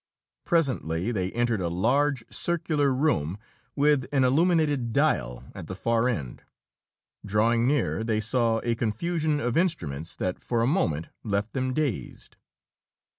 Presently they entered a large, circular room with an illuminated dial at the far end. Drawing near, they saw a confusion of instruments that for a moment left them dazed.